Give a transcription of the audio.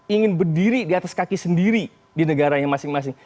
ingin berdiri di atas kaki sendiri di negaranya masing masing